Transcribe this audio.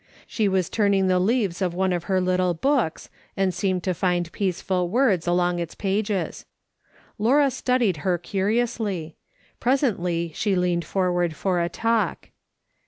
She was turning the leaves of one of her little books, and seemed to find peaceful words along its pages. Laura studied her curiously. Presently she leaned forward for a talk.